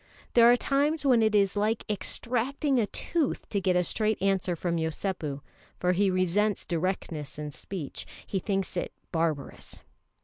There are times when it is like extracting a tooth to get a straight answer from Yosépu, for he resents directness in speech; he thinks it barbarous.